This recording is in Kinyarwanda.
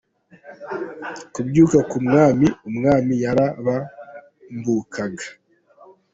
Kubyuka ku Mwami: Umwami yarabambukaga.